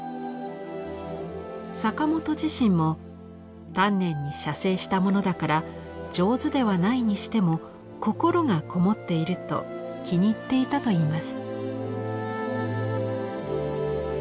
坂本自身も「丹念に写生したものだから上手ではないにしても心がこもっている」と気に入っていたといいます。